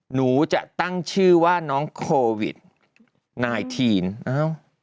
หนูจะตั้งชื่อว่าน้องโควิด๑๙นะครับ